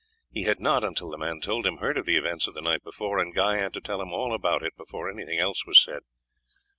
He had not, until the man told him, heard of the events of the night before, and Guy had to tell him all about it before anything else was said.